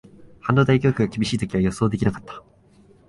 半導体供給が厳しいとは予想できなかった